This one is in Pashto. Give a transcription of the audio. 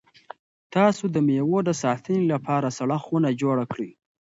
تاسو د مېوو د ساتنې لپاره سړه خونه جوړه کړئ.